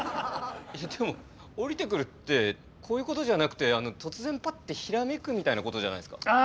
いやでも降りてくるってこういうことじゃなくて突然パッてひらめくみたいなことじゃないですか？